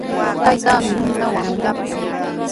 Taytaami yuntawan yapyan.